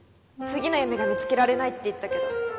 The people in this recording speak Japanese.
次の夢が見つけられないって言ったけど